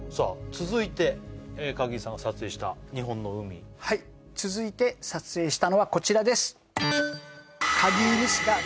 続いて鍵井さんが撮影した日本の海はい続いて撮影したのはこちらです